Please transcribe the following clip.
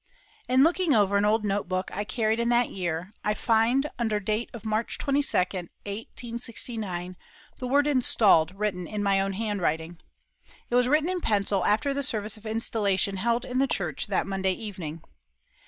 In looking over an old note book I carried in that year I find, under date of March 22, 1869, the word "installed" written in my own handwriting. It was written in pencil after the service of installation held in the church that Monday evening.